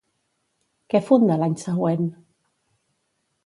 Què funda l'any següent?